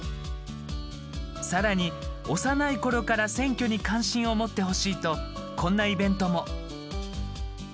さらに幼いころから選挙に関心を持ってほしいとこんなイベントも。